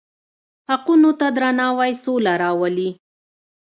حقونو ته درناوی سوله راولي.